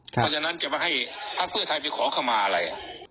เพราะฉะนั้นจะมาให้พักเพื่อไทยไปขอเข้ามาอะไร